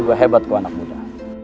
sebuah hebat ku anak muda